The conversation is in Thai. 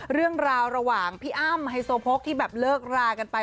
เรื่องราวระหว่างพี่อ้ำไฮโซโพกที่แบบเลิกรากันไป